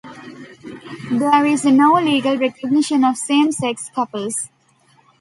There is no legal recognition of same-sex couples.